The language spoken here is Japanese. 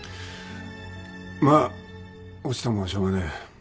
まあ落ちたもんはしょうがねえ。